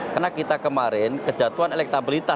karena kita kemarin kejatuhan elektabilitas